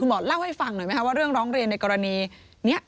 หมอเล่าให้ฟังหน่อยไหมคะว่าเรื่องร้องเรียนในกรณีนี้